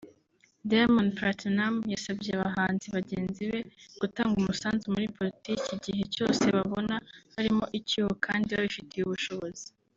Diamond Platnumz yasabye abahanzi bagenzi be gutanga umusanzu muri Politiki igihe cyose babona harimo icyuho kandi babifitiye ubushobozi